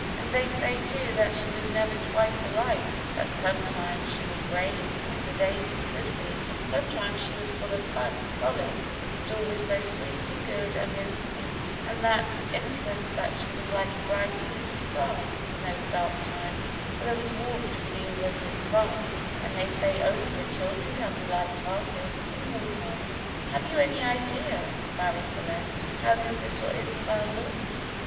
And they say, too, that she was never twice alike; that sometimes she was grave and sedate as could be, and sometimes she was full of fun and frolic, but always so sweet and good and innocent that she was like a bright little star in those dark times, for there was war between England and France, and they say only the children can be light hearted in war time." "Have you any idea, Marie Celeste, how this little Isabel looked?"